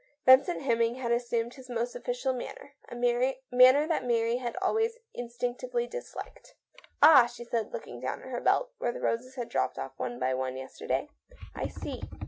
Vincent Hemming had assumed his most official manner — a manner that Mary had always instinctively disliked. " Ah !" she said, looking down at her belt, where the roses had dropped off one by one yesterday, " I see."